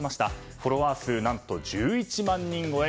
フォロワー数、何と１１万人超え。